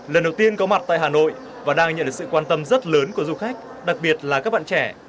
lần đầu tiên có mặt tại hà nội và đang nhận được sự quan tâm rất lớn của du khách đặc biệt là các bạn trẻ